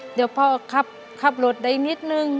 เดี๋ยวพ่อขับรถได้นิดนึง